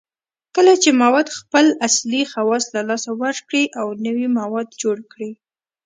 کله چې مواد خپل اصلي خواص له لاسه ورکړي او نوي مواد جوړ کړي